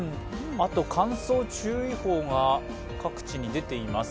乾燥注意報が各地に出ています。